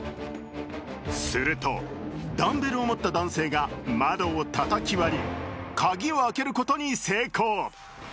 するとダンベルを持った男性が窓をたたき割り鍵を開けることに成功。